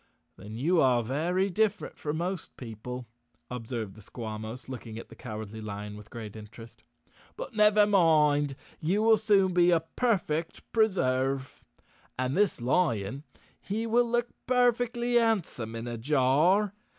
"Then you are very different from most people," observed the Squawmos, looking at the Cowardly Lion with great interest. "But, never mind, you will soon be a perfect Preserve. And this lion—he will look perfectly handsome in a jar.